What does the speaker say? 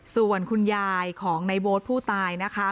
ส่วนคุณยายของในโบ๊ทผู้ตายนะคะ